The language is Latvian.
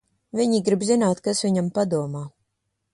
Viņi grib zināt, kas viņam padomā.